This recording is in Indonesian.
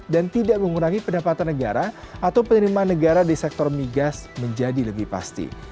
dan tidak mengurangi pendapatan negara atau penerimaan negara di sektor migas menjadi lebih pasti